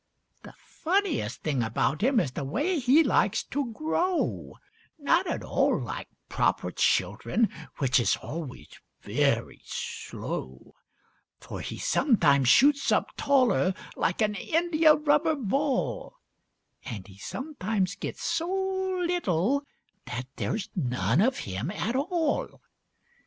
The funniest thing about him is the way he likes to grow— Not at all like proper children, which is always very slow; For he sometimes shoots up taller like an india rubber ball, And he sometimes gets so little that there's none of him at all.